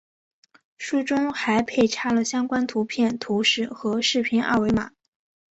书中还配插了相关图片、图示和视频二维码